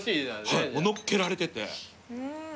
はい載っけられてて。